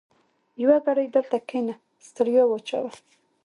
يوه ګړۍ دلته کېنه؛ ستړیا واچوه.